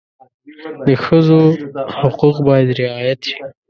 د ښځو حقوق باید رعایت شي.